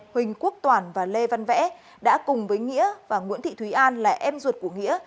huỳnh quốc toàn và lê văn vẽ đã cùng với nghĩa và nguyễn thị thúy an là em ruột của nghĩa